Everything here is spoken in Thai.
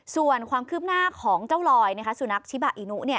ส่วนความคืบหน้าของเจ้าลอยสุนัขชิบาอินุ